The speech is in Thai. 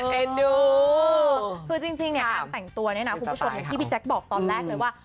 คุณผู้ชมให้พี่พี่แจ็คบอกตอนแรกเลยว่า